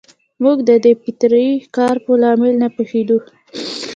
موږ د دې فطري کار په لامل نه پوهېدو.